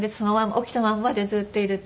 起きたままでずっといると。